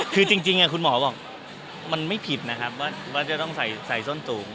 คือจริงคุณหมอบอกมันไม่ผิดนะครับว่าจะต้องใส่ส้นสูง